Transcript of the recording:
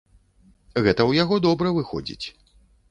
Гэта ў яго добра выходзіць.